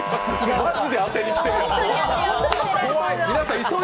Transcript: マジで当てに来てるよ、怖い。